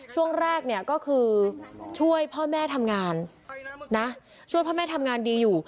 ช่วงแรกเนี่ยก็คือช่วยพ่อแม่ทำงานนะช่วยพ่อแม่ทำงานดีอยู่